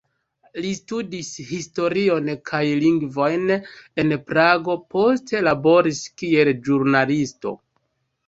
Li studis historion kaj lingvojn en Prago, poste laboris kiel ĵurnalisto.